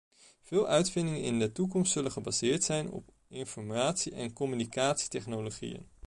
Veel uitvindingen in de toekomst zullen gebaseerd zijn op informatie- en communicatietechnologieën.